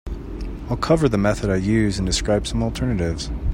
I'll cover the method I use and describe some alternatives.